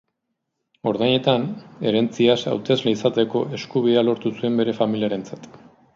Ordainetan, herentziaz hautesle izateko eskubidea lortu zuen bere familiarentzat.